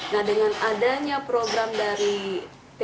nah dengan adanya program dari pt